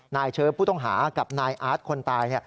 เชิฟผู้ต้องหากับนายอาร์ตคนตาย